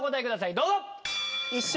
どうぞ！